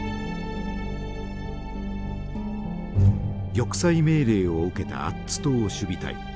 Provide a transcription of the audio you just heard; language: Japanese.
玉砕命令を受けたアッツ島守備隊。